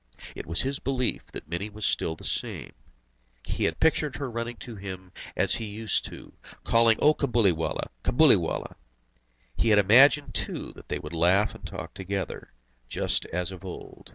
It was his belief that Mini was still the same. He had pictured her running to him as she used, calling "O Cabuliwallah! Cabuliwallah!" He had imagined too that they would laugh and talk together, just as of old.